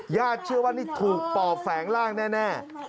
เชื่อว่านี่ถูกปอบแฝงร่างแน่